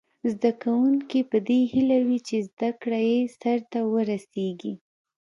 زده کوونکي په دې هیله وي چې زده کړه یې سرته ورسیږي.